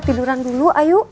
tiduran dulu ayo